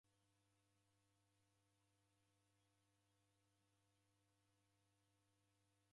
Olegha mwai wape uselow'olo ni uja mndu.